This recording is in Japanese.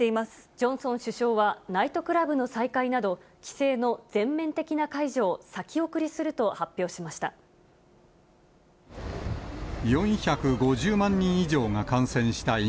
ジョンソン首相は、ナイトクラブの再開など、規制の全面的な解除を先送りすると発表４５０万人以上が感染したイ